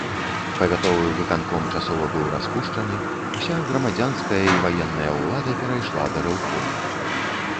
Павятовы выканком часова быў распушчаны, уся грамадзянская і ваенная ўлада перайшла да рэўкома.